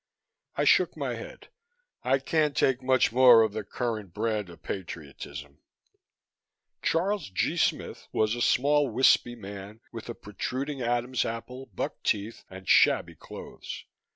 I shook my head. "I can't take much more of the current brand of patriotism." Charles G. Smith was a small, wispy man, with a protruding Adam's apple, buck teeth and shabby clothes.